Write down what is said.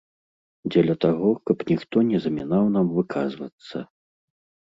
Дзеля таго, каб ніхто не замінаў нам выказвацца.